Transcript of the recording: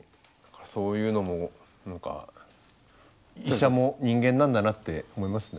そういうのも何か医者も人間なんだなって思いますね。